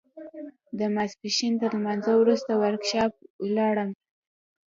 د ماسپښين تر لمانځه وروسته ورکشاپ ته ولاړم.